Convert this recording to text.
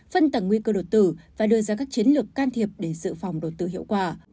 phân tẳng nguy cơ đột tử và đưa ra các chiến lược can thiệp để sự phòng đột tử hiệu quả